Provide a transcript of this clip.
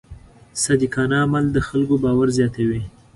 صادقانه عمل د خلکو باور زیاتوي.